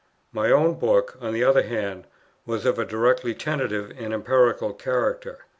My own book, on the other hand, was of a directly tentative and empirical character.